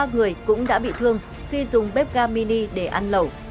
ba người cũng đã bị thương khi dùng bếp ga mini để ăn lẩu